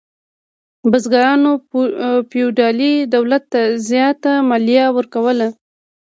بزګرانو فیوډالي دولت ته زیاته مالیه ورکوله.